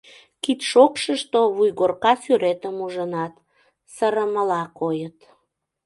Кид шокшышто вуйгорка сӱретым ужынат, сырымыла койыт.